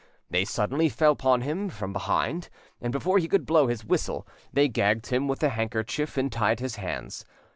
They suddenly fell upon him from behind, and before he could blow his whistle, they gagged him with a handkerchief and tied his hands.